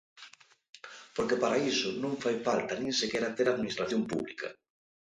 Porque para iso non fai falta nin sequera ter administración pública.